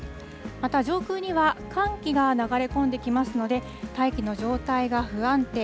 また、上空には寒気が流れ込んできますので、大気の状態が不安定。